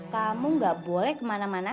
kamu gak boleh kemana mana